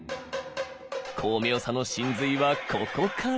巧妙さの神髄はここから。